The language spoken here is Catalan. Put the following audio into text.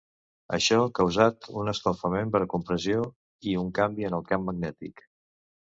Això causat un escalfament per compressió i un canvi en el camp magnètic.